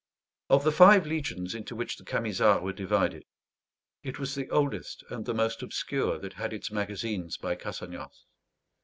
Of the five legions into which the Camisards were divided, it was the oldest and the most obscure that had its magazines by Cassagnas.